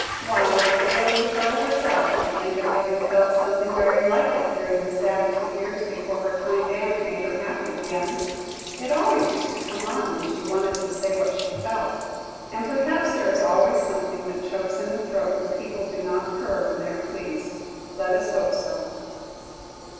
Why, the pale little girl herself complained of having felt something very like it, during the sad two years before her kind aunt made her happy again! It always used to come on when she wanted to say what she felt. And, perhaps, there is always something that chokes in the throat when people do not purr when they are pleased. Let us hope so!